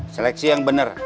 seleksi yang benar